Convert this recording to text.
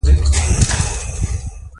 د خدای په مرسته به اباد شو؟